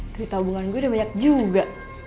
tapi tabungan gue udah banyak juga